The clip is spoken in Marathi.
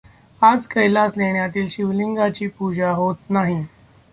आज कैलास लेण्यातील शिवलिंगाची पूजा होत नाही.